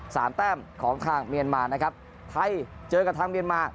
แต้มของทางเมียนมานะครับไทยเจอกับทางเมียนมา